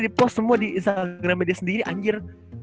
kalo semua di instagram media sendiri anjir